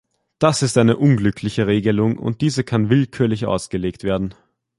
Das ist eine unglückliche Regelung und diese kann willkürlich ausgelegt werden.